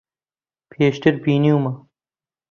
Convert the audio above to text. پێشتر بینیومە.